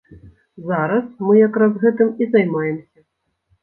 Зараз мы як раз гэтым і займаемся.